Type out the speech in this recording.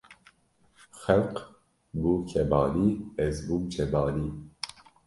Xelk bû kebanî, ez bûm cebanî